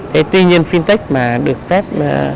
thế tuy nhiên fintech mà được phép